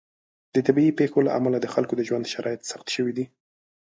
د طبیعي پیښو له امله د خلکو د ژوند شرایط سخت شوي دي.